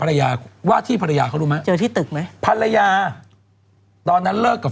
ว่าที่ภรรยาเขารู้ไหมเจอที่ตึกไหมภรรยาตอนนั้นเลิกกับ